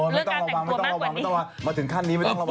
ไม่ต้องระวังมาถึงขั้นนี้ไม่ต้องระวังนะ